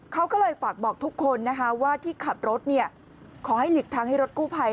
เขาก็ฝากบอกทุกคนที่ขับรถขอให้หลีกทางให้รถกู่ภัย